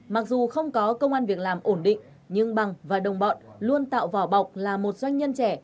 mặc dù không có công an việc làm ổn định nhưng bằng và đồng bọn luôn tạo vỏ bọc là một doanh nhân trẻ